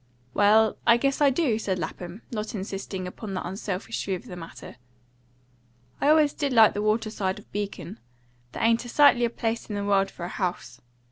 "Well, I guess I do," said Lapham, not insisting upon the unselfish view of the matter. "I always did like the water side of Beacon. There ain't a sightlier place in the world for a house.